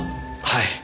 はい。